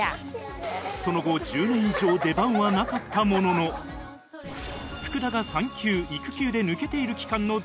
その後１０年以上出番はなかったものの福田が産休・育休で抜けている期間の代役に任命